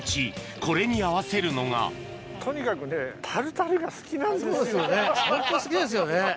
これに合わせるのがそうですよね